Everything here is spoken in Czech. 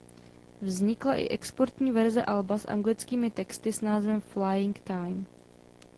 Vznikla i exportní verze alba s anglickými texty a názvem "Flying Time".